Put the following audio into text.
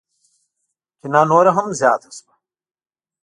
کینه نوره هم زیاته شوه.